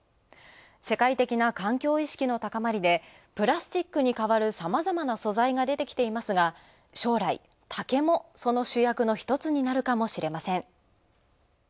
世界的な環境意識の高まりで、プラスチックにかわるさまざまな素材が出てきていますが、将来、竹もその主役の１つになるかもしれません。